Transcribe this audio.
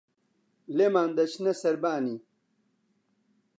لێمان دەچتە سەربانی